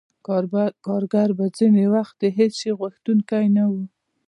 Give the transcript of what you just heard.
کارګر به ځینې وخت د هېڅ شي غوښتونکی نه وو